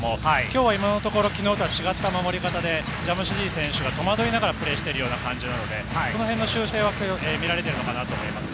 今日は今のところ昨日とは違った守り方でジャムシディ選手が戸惑いながらプレーしている感じなので、そのへんの修正は見られていると思います。